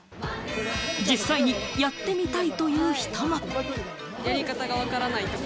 実際にやってみたいという人も。